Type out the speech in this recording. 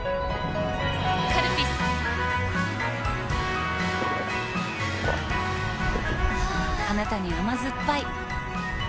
カルピスはぁあなたに甘ずっぱい